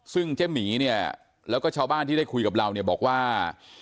ซึ่งเจ๊หมีแล้วก็ชาวบ้านที่ได้คุยกับเราบอกว่า